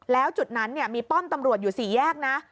แล้วจุดนั้นมีป้อมตำรวจอยู่๔แยกนะ